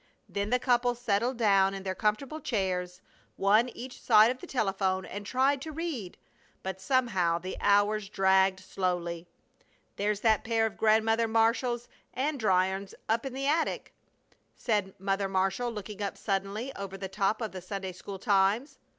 Then the couple settled down in their comfortable chairs, one each side of the telephone, and tried to read, but somehow the hours dragged slowly. "There's that pair of Grandmother Marshall's andirons up in the attic!" said Mother Marshall, looking up suddenly over the top of the Sunday school Times.